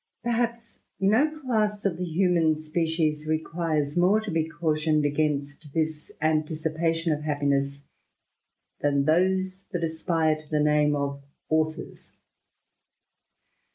Perhaps no class of the human species requires more to be cautioned against this anticipation of happiness, than ^ those that aspire to the name of authors.